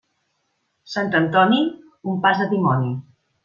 Sant Antoni, un pas de dimoni.